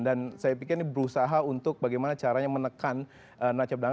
dan saya pikir ini berusaha untuk bagaimana caranya menekan neracap dagangan